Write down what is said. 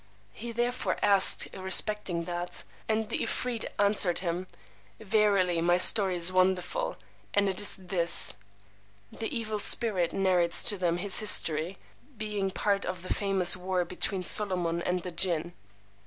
He therefore asked respecting that, and the 'Efreet answered him, Verily my story is wonderful, and it is this: [The Evil Spirit narrates to them his history, being part of the famous war between Solomon and the Jinn.